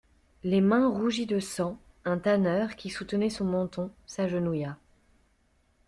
Les mains rougies de sang, un tanneur, qui soutenait son menton, s'agenouilla.